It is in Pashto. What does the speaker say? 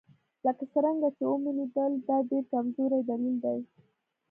لکه څرنګه چې ومو لیدل دا ډېر کمزوری دلیل دی.